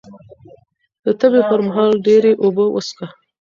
د تبې پر مهال ډېرې اوبه وڅښه